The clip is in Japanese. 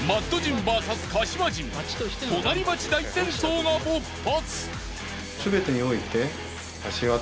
隣町大戦争がぼっ発。